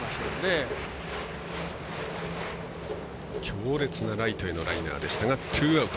強烈なライトへのライナーでしたがツーアウト。